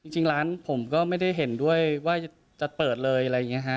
จริงร้านผมก็ไม่ได้เห็นด้วยว่าจะเปิดเลยอะไรอย่างนี้ฮะ